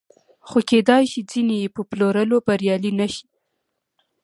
خو کېدای شي ځینې یې په پلورلو بریالي نشي